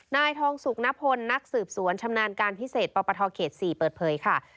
นายทองสุกนพลนักสืบสวนชำนาญการพิเศษปปทเขต๔เปิดเผยค่ะ